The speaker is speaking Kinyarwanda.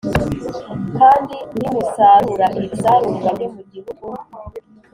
Kandi nimusarura ibisarurwa byo mu gihugu